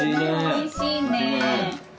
おいしいね。